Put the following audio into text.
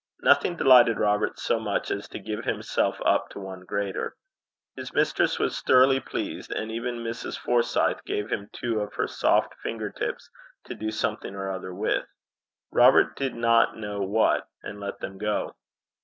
Nothing delighted Robert so much as to give himself up to one greater. His mistress was thoroughly pleased, and even Mrs. Forsyth gave him two of her soft finger tips to do something or other with Robert did not know what, and let them go.